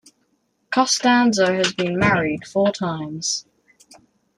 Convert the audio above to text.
Costanzo has been married four times.